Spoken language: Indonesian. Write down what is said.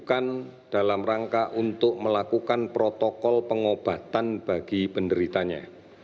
bukan dalam rangka untuk melakukan protokol pengobatan bagi penderitanya